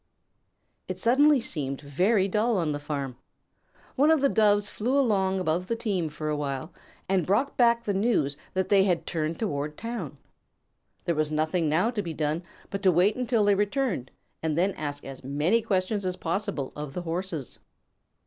It suddenly seemed very dull on the farm. One of the Doves flew along above the team for a while and brought back the news that they had turned toward town. There was nothing now to be done but to wait until they returned and then ask as many questions as possible of the Horses.